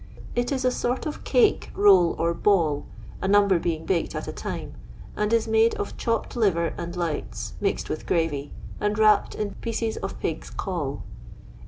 It is a sort of cake, roll, or ball, a number being baked at a time, and is made of chopped liver and lights, mixed with gravy, and wrapped in pieces of pig*s caul.